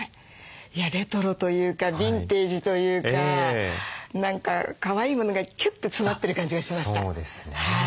レトロというかビンテージというか何かかわいいものがキュッと詰まってる感じがしました。